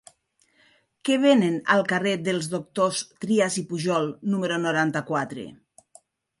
Què venen al carrer dels Doctors Trias i Pujol número noranta-quatre?